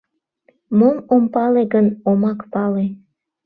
— Мом ом пале гын, омак пале!